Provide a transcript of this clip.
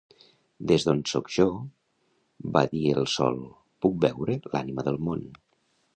"Des d'on soc jo" va dir el sol, "puc veure l'ànima del món".